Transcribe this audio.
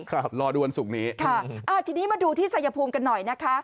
ครับรอดูวันศุกร์นี้ค่ะอ่าทีนี้มาดูที่ชายภูมิกันหน่อยนะคะ